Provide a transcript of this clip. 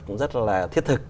cũng rất là thiết thực